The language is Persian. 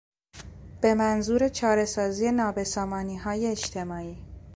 به منظور چارهسازی نابسامانیهای اجتماعی